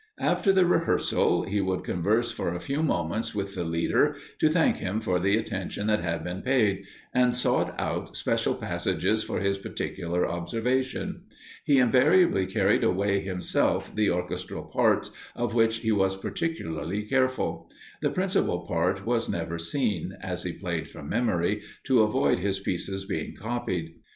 After the rehearsal, he would converse for a few moments with the leader, to thank him for the attention that had been paid, and sought out especial passages for his particular observation. He invariably carried away himself the orchestral parts, of which he was particularly careful. The principal part was never seen, as he played from memory, to avoid his pieces being copied.